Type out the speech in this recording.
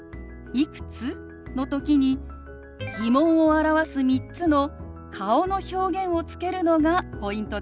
「いくつ？」の時に疑問を表す３つの顔の表現をつけるのがポイントです。